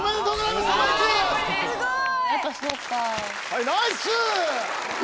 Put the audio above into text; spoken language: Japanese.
はいナイス！